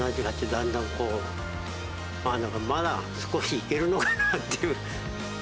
だんだん、こう、なんか、まだ少しいけるのかなっていう。